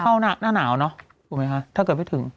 ถ้าไม่ถึงก็เข้าหน้าหนาวเนอะรู้ไหมคะถ้าเกิดไม่ถึง